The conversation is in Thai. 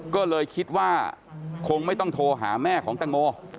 ก็เลยคิดว่าคงไม่ต้องโทรหาแม่ของแตงโม